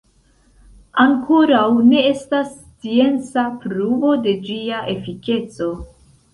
Ankoraŭ ne estas scienca pruvo de ĝia efikeco.